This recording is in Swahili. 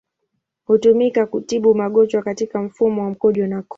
Hutumika kutibu magonjwa katika mfumo wa mkojo na koo.